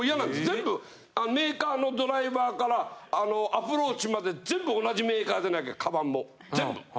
全部メーカーもドライバーからアプローチまで全部同じメーカーでなきゃカバンも全部。